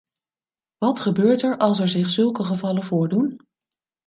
Wat gebeurt er als er zich zulke gevallen voordoen?